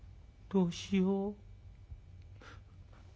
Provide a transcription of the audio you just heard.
どうしよう」。